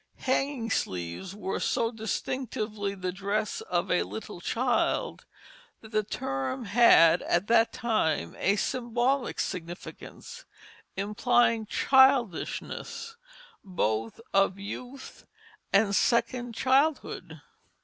Hanging sleeves were so distinctively the dress of a little child that the term had at that time a symbolic significance, implying childishness both of youth and second childhood.